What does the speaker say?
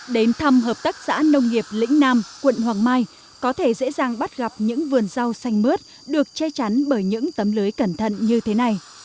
đến thăm hợp tác xã nông nghiệp lĩnh nam quận hoàng mai có thể dễ dàng bắt gặp những vườn rau xanh mướt được che chắn bởi những tấm lưới cẩn thận như thế này